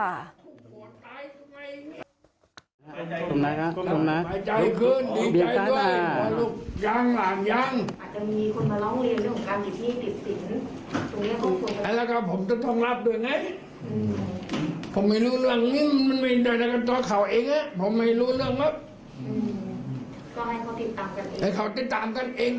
โดยเฉพาะเขาก็มาทำกันเอง